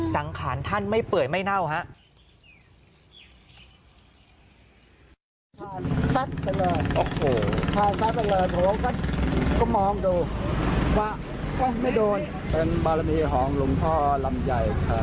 จังขาญท่านไม่เปื่อยไม่เน่าฮะ